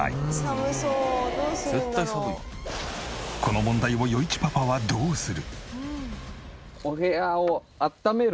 この問題を余一パパはどうする？